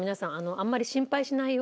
あんまり心配しないように。